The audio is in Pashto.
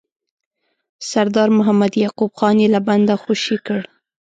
سردار محمد یعقوب خان یې له بنده خوشي کړ.